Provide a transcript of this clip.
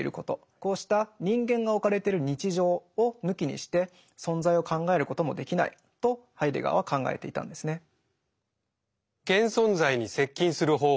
こうした人間が置かれてる日常を抜きにして存在を考えることもできないとハイデガーは考えていたんですね。